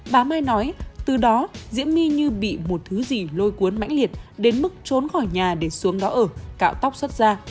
bà mai nói từ đó diễm my như bị một thứ gì lôi cuốn mãnh liệt đến mức trốn khỏi nhà để xuống nó ở cạo tóc xuất ra